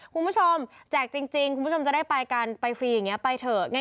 แจกจริงคุณผู้ชมจะได้ไปกันไปฟรีอย่างนี้ไปเถอะ